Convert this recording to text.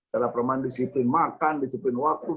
karena permanen disiplin maka disiplinnya sangat berguna ya